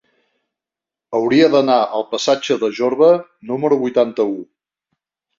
Hauria d'anar al passatge de Jorba número vuitanta-u.